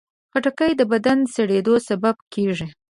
خټکی د بدن د سړېدو سبب کېږي.